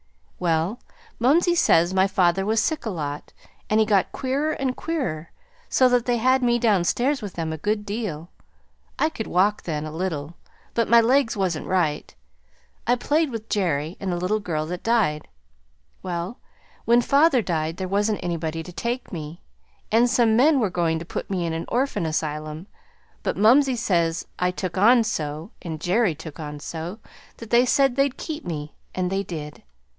"Well, mumsey says my father was sick a lot, and he got queerer and queerer, so that they had me downstairs with them a good deal. I could walk then, a little, but my legs wasn't right. I played with Jerry, and the little girl that died. Well, when father died there wasn't anybody to take me, and some men were goin' to put me in an orphan asylum; but mumsey says I took on so, and Jerry took on so, that they said they'd keep me. And they did.